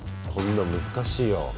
こんなん難しいよ。